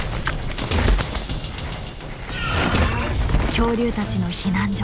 恐竜たちの避難所